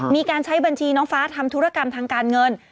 มีการใช้บัญชีน้องฟ้าทำธุรกรรมทางการเงิน